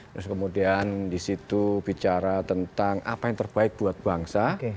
terus kemudian di situ bicara tentang apa yang terbaik buat bangsa